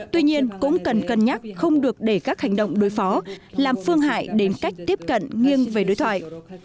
tuy nhiên cũng cần cân nhắc không được để các hành động đối phó làm phương hại đến cách tiếp cận nghiêng về đối thoại